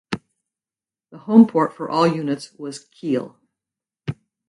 The homeport for all units was Kiel.